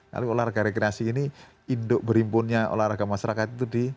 tapi olahraga rekreasi ini indok berimpunnya olahraga masyarakat itu di